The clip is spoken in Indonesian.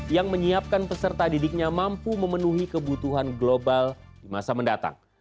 yang menyiapkan peserta didiknya mampu memenuhi kebutuhan global di masa mendatang